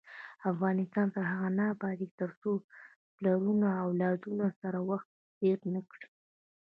افغانستان تر هغو نه ابادیږي، ترڅو پلرونه له اولادونو سره وخت تیر نکړي.